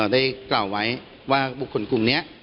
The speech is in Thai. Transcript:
ได้กล่าวไว้ว่าบุคคลกลุ่มนี้